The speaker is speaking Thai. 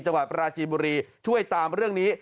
จังหวัดปราจีนบุรีช่วยตามเรื่องนี้